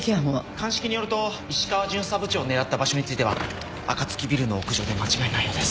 鑑識によると石川巡査部長を狙った場所についてはあかつきビルの屋上で間違いないようです。